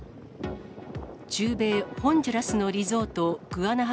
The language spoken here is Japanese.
中米ホンジュラスのリゾート、グアナハ